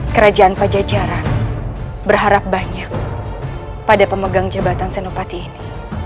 kerajaan pajajaran berharap banyak pada pemegang jabatan senopati ini